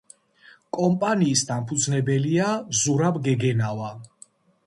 კომპანიის დამფუძნებელია ზურაბ გეგენავა.